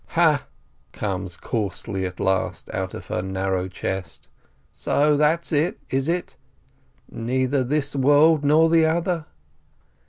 "Ha !" comes hoarsely at last out of her narrow chest. "So that's it, is it? Neither this world nor the other.